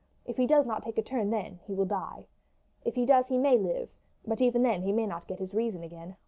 If he does not take a turn then he will die. If he does, he may live, but even then he may not get his reason again.